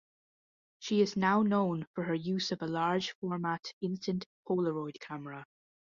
She is now known for her use of a large-format instant Polaroid camera.